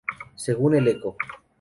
Según el Eco.